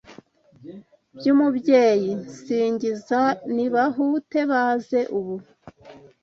By'Umubyeyi nsingiza Nibahute baze ubu